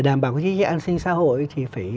đảm bảo cái chính trị an sinh xã hội thì phải